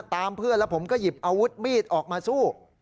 ตามเพื่อนแล้วผมก็หยิบอาวุธมีดออกมาสู้